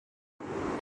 بھی نمودار ہوتی ہیں